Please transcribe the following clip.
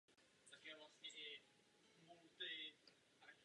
Na začátek přečtu dvě písemná prohlášení.